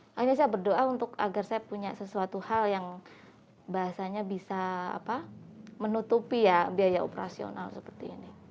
makanya saya berdoa untuk agar saya punya sesuatu hal yang bahasanya bisa menutupi ya biaya operasional seperti ini